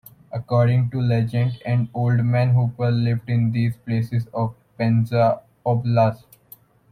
According to legend, an oldman Hopper lived in these places of Penza Oblast.